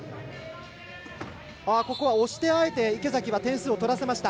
ここは押してあえて池崎が得点をさせました。